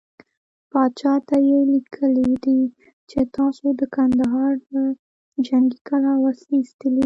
پاچا ته يې ليکلي دي چې تاسو د کندهار له جنګې کلا وسلې ايستلې.